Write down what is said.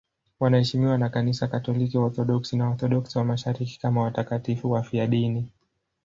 Wanaheshimiwa na Kanisa Katoliki, Waorthodoksi na Waorthodoksi wa Mashariki kama watakatifu wafiadini.